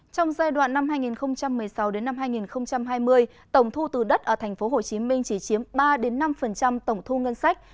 trong giai đoạn năm hai nghìn một mươi sáu hai nghìn hai mươi tổng thu từ đất ở tp hcm chỉ chiếm ba năm tổng thu ngân sách